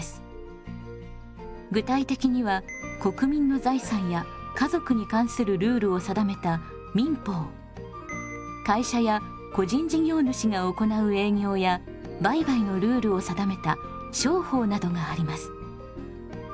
具体的には国民の財産や家族に関するルールを定めた民法会社や個人事業主が行う営業や売買のルールを定めた商法などがあります。